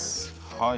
はい。